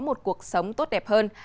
và một cuộc sống tốt đẹp hơn